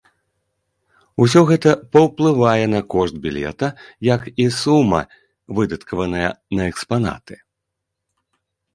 Усё гэта паўплывае на кошт білета, як і сума, выдаткаваная на экспанаты.